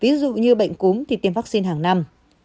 ví dụ như bệnh cúm thì tiêm vaccine hàng năm